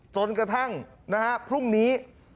จนกระทั่งนะฮะพรุ่งนี้